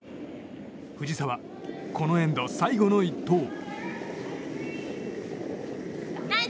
藤澤、このエンド最後の１投。